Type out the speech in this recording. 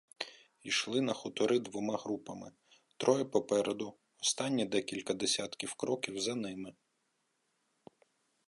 Йшли на хутори двома групами: троє попереду — останні декілька десятків кроків за ними.